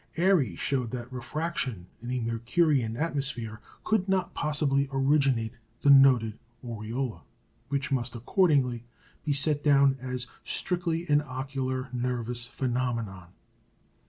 Airy showed that refraction in a Mercurian atmosphere could not possibly originate the noted aureola, which must accordingly be set down as "strictly an ocular nervous phenomenon."